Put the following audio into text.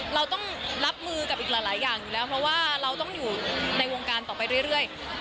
เราต้องรับมือกับอีกหลายอย่างอยู่แล้วเพราะว่าเราต้องอยู่ในวงการต่อไปเรื่อย